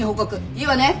いいわね！